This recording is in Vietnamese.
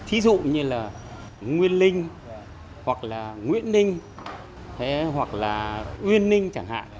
thí dụ như là nguyên linh hoặc là nguyễn linh hoặc là nguyên linh chẳng hạn